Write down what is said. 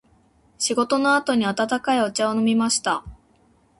仕事の後に温かいお茶を飲みました。